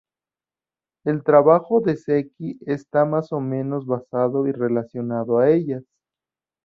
El trabajo de Seki está más o menos basado y relacionado a ellas.